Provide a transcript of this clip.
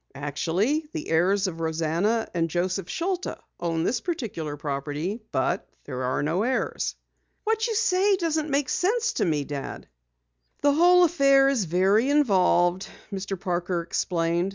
"Actually the heirs of Rosanna and Joseph Schulta own this particular property. But there are no heirs." "What you say doesn't make sense to me, Dad." "The whole affair is very involved," Mr. Parker explained.